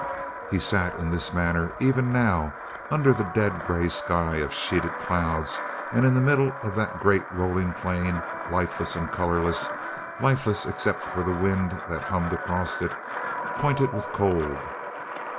He sat in this manner even now, under that dead gray sky of sheeted clouds, and in the middle of that great rolling plain, lifeless and colorless lifeless except for the wind that hummed across it, pointed with cold.